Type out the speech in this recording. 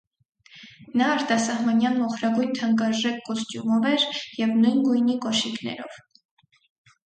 Նա արտասահմանյան մոխրագույն թանկարժեք կոստյումով էր և նույն գույնի կոշիկներով։